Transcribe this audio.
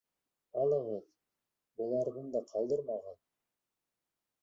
Алығыҙ, быларын да ҡалдырмағыҙ!